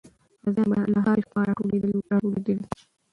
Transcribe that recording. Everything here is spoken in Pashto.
غازیان به له هرې خوا راټولېدلې وو.